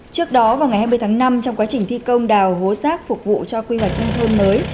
trước đó vào ngày hai mươi tháng năm trong quá trình thi công đào hố rác phục vụ cho quy hoạch nông thôn mới